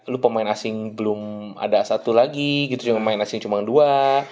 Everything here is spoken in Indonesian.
lu pemain asing belum ada satu lagi gitu yang pemain asing cuma dua